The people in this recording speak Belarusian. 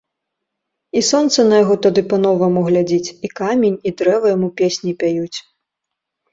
І сонца на яго тады па-новаму глядзіць, і камень, і дрэва яму песні пяюць.